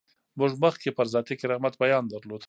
موږ مخکې پر ذاتي کرامت بیان درلود.